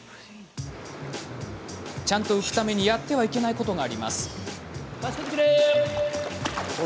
ちゃんと浮くためにやってはいけないことがあります。